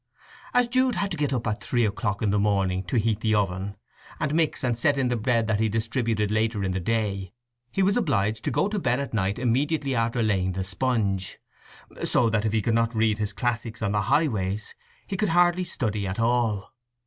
As Jude had to get up at three o'clock in the morning to heat the oven, and mix and set in the bread that he distributed later in the day, he was obliged to go to bed at night immediately after laying the sponge; so that if he could not read his classics on the highways he could hardly study at all.